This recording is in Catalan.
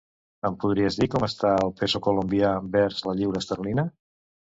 Em podries dir com està el peso colombià vers la lliura esterlina?